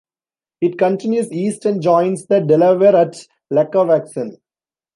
It continues east and joins the Delaware at Lackawaxen.